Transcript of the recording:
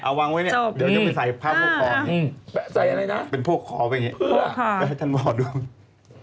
เอาวางไว้เนี่ยเดี๋ยวไปใส่ภาพพวกของเนี่ยใส่อะไรนะเป็นพวกของก็อย่างนี้